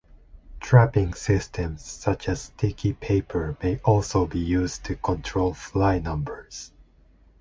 Trapping systems such as sticky paper may also be used to control fly numbers.